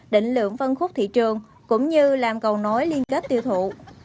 định lượng phân khúc thị trường cũng như làm cầu nối liên kết tiêu thụ